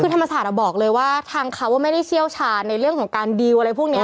คือธรรมศาสตร์บอกเลยว่าทางเขาไม่ได้เชี่ยวชาญในเรื่องของการดีลอะไรพวกนี้